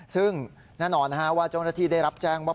ซึ่งแน่นอนว่าเจ้าหน้าที่ได้รับแจ้งว่า